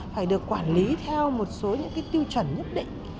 phải được quản lý theo một số những tiêu chuẩn nhất định